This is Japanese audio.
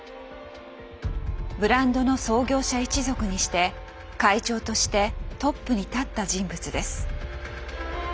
ブランドの創業者一族にして会長としてトップに立った人物です。